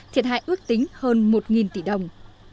thiệt hại ước tính hơn một tỷ đồng